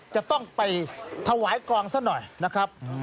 จะต้องไปถวายกองซะหน่อยนะครับ